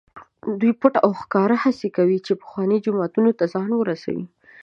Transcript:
دوی پټ او ښکاره هڅه کوي چې پخواني جومات ته ځان ورسوي.